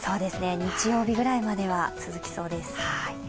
日曜日ぐらいまでは続きそうです。